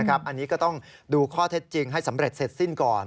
อันนี้ก็ต้องดูข้อเท็จจริงให้สำเร็จเสร็จสิ้นก่อน